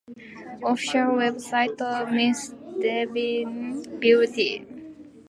Official website of Miss Divine Beauty